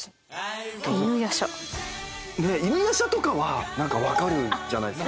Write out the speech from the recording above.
『犬夜叉』『犬夜叉』とかは何か分かるじゃないですか。